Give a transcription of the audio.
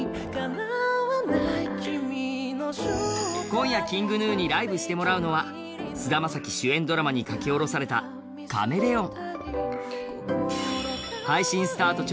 今夜、ＫｉｎｇＧｎｕにライブしてもらうのは菅田将暉主演ドラマに書き下ろされた「カメレオン」。